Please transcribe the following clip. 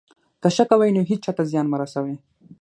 که ښه کوئ، نو هېچا ته زیان مه رسوئ.